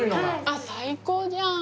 あっ最高じゃん。